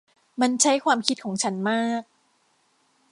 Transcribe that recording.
มันใช้ความคิดของฉันมาก